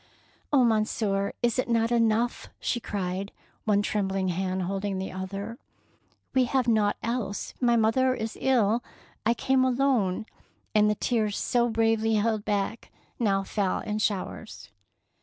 "Oh, Monsieur, is it not enough?" she cried, one trembling hand holding the other; "we have naught else, my mother is ill, — I came alone "; and the tears so bravely held back now fell in showers.